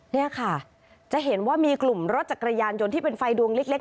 นี่ค่ะจะเห็นว่ามีกลุ่มรถจักรยานยนต์ที่เป็นไฟดวงเล็ก